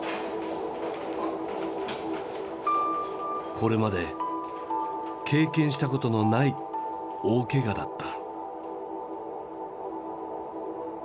これまで経験したことのない大けがだった。